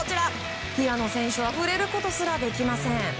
平野選手は触れることすらできません。